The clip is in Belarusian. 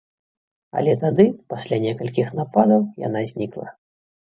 Але тады, пасля некалькіх нападаў, яна знікла.